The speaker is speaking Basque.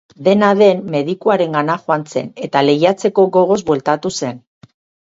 Dena den, medikuarengana joan zen, eta lehiatzeko gogoz bueltatu zen.